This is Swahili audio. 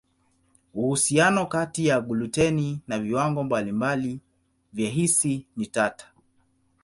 Uhusiano kati ya gluteni na viwango mbalimbali vya hisi ni tata.